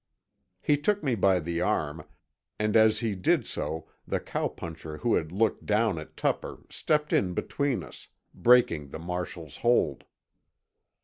He took me by the arm, and as he did so the cowpuncher who had looked down at Tupper stepped in between us, breaking the marshal's hold.